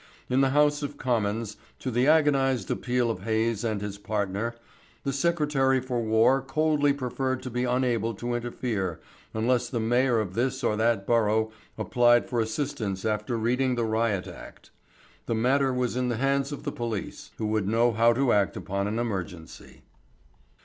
In the House of Commons, to the agonised appeal of Hayes and his partner, the Secretary for War coldly preferred to be unable to interfere unless the Mayor of this or that borough applied for assistance after reading the Riot Act. The matter was in the hands of the police, who would know how to act upon an emergency.